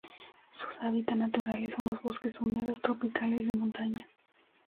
Sus hábitat naturales son los bosques húmedos tropicales de montaña.